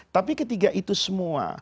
tapi ketika itu semua